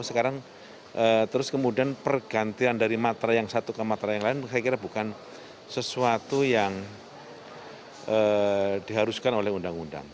sekarang terus kemudian pergantian dari matra yang satu ke matra yang lain saya kira bukan sesuatu yang diharuskan oleh undang undang